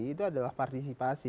itu adalah partisipasi